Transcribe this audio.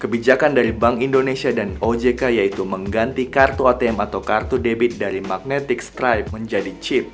kebijakan dari bank indonesia dan ojk yaitu mengganti kartu atm atau kartu debit dari magnetic stripe menjadi chip